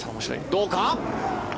どうか？